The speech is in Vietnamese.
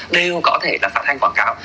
đều có thể là phản hành quảng cáo